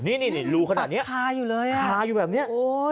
นี่รูขนาดนี้คาอยู่แบบนี้